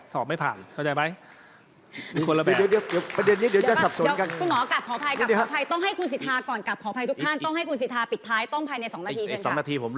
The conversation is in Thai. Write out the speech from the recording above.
สอบไม่ผ่านเข้าใจไหม